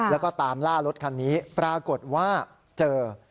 แล้วก็ตามล่ารถคันนี้ปรากฏว่าเจอ